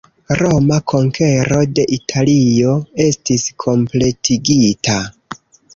Roma konkero de Italio estis kompletigita.